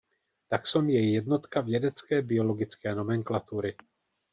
Taxon je jednotka vědecké biologické nomenklatury.